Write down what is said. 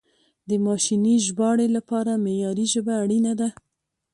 د ماشیني ژباړې لپاره معیاري ژبه اړینه ده.